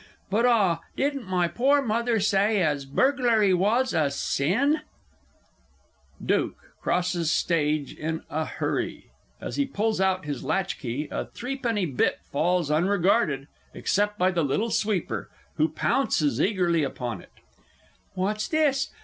But, ah, didn't my poor mother say as Burglary was a Sin! [Duke crosses stage in a hurry; as he pulls out his latchkey, a threepenny bit falls unregarded, except by the little Sweeper, who pounces eagerly upon it. What's this?